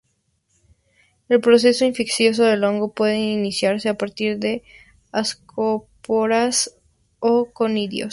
El proceso infeccioso del hongo puede iniciarse a partir de ascosporas o conidios.